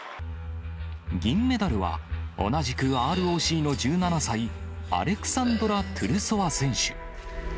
銀メダルは、同じくＲＯＣの１７歳、アレクサンドラ・トゥルソワ選手。